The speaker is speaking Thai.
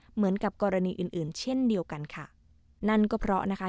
เหมือนกับกรณีอื่นอื่นเช่นเดียวกันค่ะนั่นก็เพราะนะคะ